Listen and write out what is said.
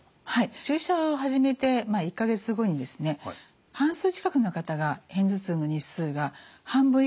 注射を始めて１か月後にですね半数近くの方が片頭痛の日数が半分以下になるんですね。